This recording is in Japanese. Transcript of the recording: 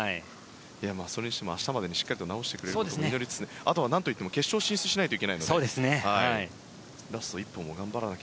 それにしても明日までにしっかり治してくれることを祈りつつあとは何といっても決勝進出しないといけないので。